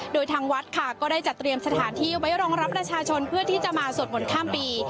โดยทางวัดค่ะก็ได้จัดเตรียมสถานที่ไว้รองรับประชาชนเพื่อที่จะมาสวดมนต์ข้ามปี